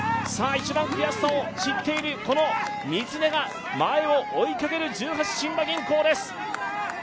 １番悔しさを知っている光恒が前を追いかける十八親和銀行です。